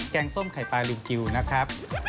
แกงส้มไข่ปลาริวกิวนะครับ